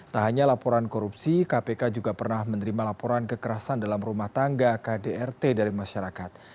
tak hanya laporan korupsi kpk juga pernah menerima laporan kekerasan dalam rumah tangga kdrt dari masyarakat